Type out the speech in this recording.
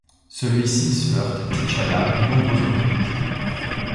Celui-ci se heurte à T'Challa à de nombreuses reprises.